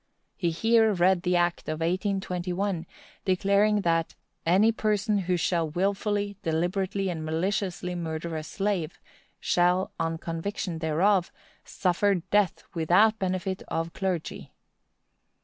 He here read the act of 1821, declaring that "any person who shall wilfully, deliberately, and maliciously murder a slave, shall, on conviction thereof, suffer death without benefit of clergy."